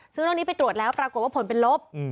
เรื่องนี้ไปตรวจแล้วปรากฏว่าผลเป็นลบ